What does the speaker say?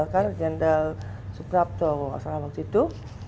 kan jenderal suprapto asal waktu itu